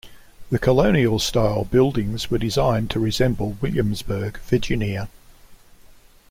The colonial-style buildings were designed to resemble Williamsburg, Virginia.